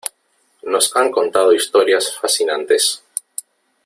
Nos han contado historias fascinantes.